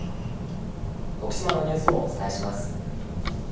徳島のニュースをお伝えします。